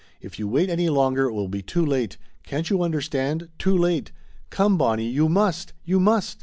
If you wait any longer it will be too late. Can't you understand too late! Come, Bonnie, you must, you must!"